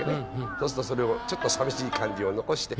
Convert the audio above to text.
そうするとそれをちょっとさびしい感じを残して。